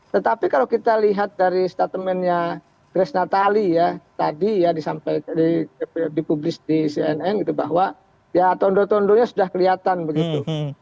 tetapi kalau kita lihat dari statementnya grace natali ya tadi ya disampaikan di publik di cnn gitu bahwa ya tondo tondonya sudah kelihatan begitu